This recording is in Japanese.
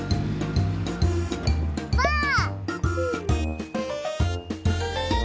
ばあっ！